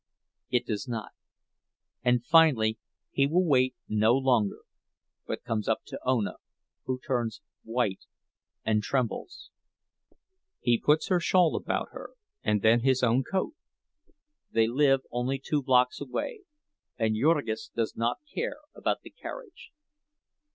It does not, and finally he will wait no longer, but comes up to Ona, who turns white and trembles. He puts her shawl about her and then his own coat. They live only two blocks away, and Jurgis does not care about the carriage.